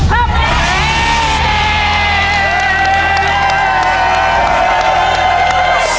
โฆ่งโฆ่งโฆ่ง